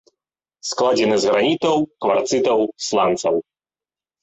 Складзены з гранітаў, кварцытаў, сланцаў.